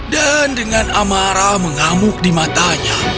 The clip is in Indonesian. dan dengan amarah mengamuk di matanya